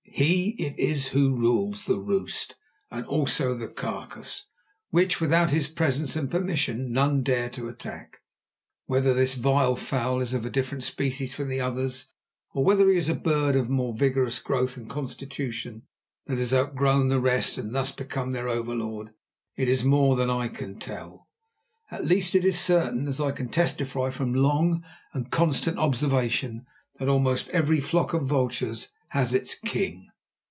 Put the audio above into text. He it is who rules the roost and also the carcase, which without his presence and permission none dare to attack. Whether this vile fowl is of a different species from the others, or whether he is a bird of more vigorous growth and constitution that has outgrown the rest and thus become their overlord, is more than I can tell. At least it is certain, as I can testify from long and constant observation, that almost every flock of vultures has its king.